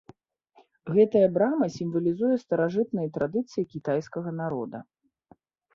Гэтая брама сімвалізуе старажытныя традыцыі кітайскага народа.